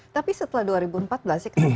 tapi setelah dua ribu empat belas ya kenapa